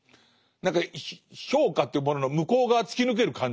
何か評価というものの向こう側突き抜ける感じですね。